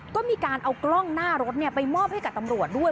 ก็มีการเอากล้องหน้ารถไปมอบให้กับตำรวจด้วย